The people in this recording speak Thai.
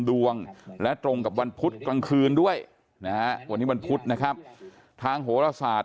ดวงและตรงกับวันพุธกลางคืนด้วยวันพุธนะครับทางโหลศาสตร์